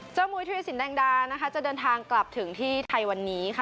มุยธิรสินแดงดานะคะจะเดินทางกลับถึงที่ไทยวันนี้ค่ะ